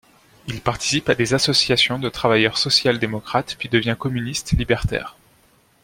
Il participe à des associations de travailleurs sociales-démocrates puis devient communiste libertaire.